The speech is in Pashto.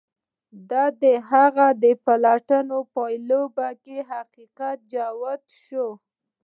د هغه د پلټنو په پايله کې حقيقت جوت شو.